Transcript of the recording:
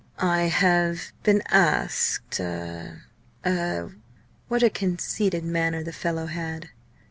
"I have been asked er er " What a conceited manner the fellow had!